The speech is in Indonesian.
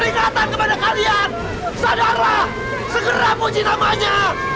lihat sadarlah segera puji namanya